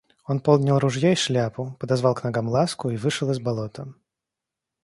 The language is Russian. Он поднял ружье и шляпу, подозвал к ногам Ласку и вышел из болота.